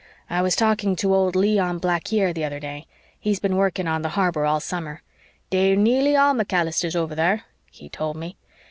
I was talking to old Leon Blacquiere the other day. He's been working on the harbor all summer. 'Dey're nearly all MacAllisters over thar,' he told me.